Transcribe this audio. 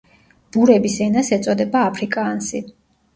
ბურების ენას ეწოდება აფრიკაანსი.